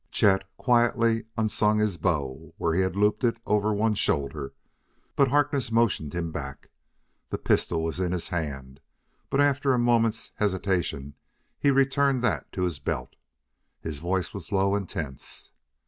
Chet quietly unslung his bow where he had looped it over one shoulder, but Harkness motioned him back. The pistol was in his hand, but after a moment's hesitation he returned that to his belt. His voice was low and tense.